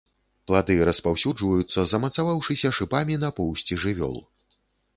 Плады распаўсюджваюцца, замацаваўшыся шыпамі на поўсці жывёл.